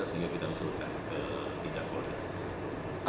sehingga kita mesurkan ke bidang polda